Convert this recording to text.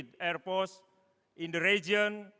di kawasan yang diperlukan